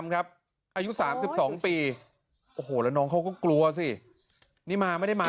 แล้วน้องเขาก็กลัวสินี่มาได้อ่ะมั้ย